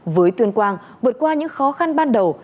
với tuyên quang vượt qua những khó khăn ban đầu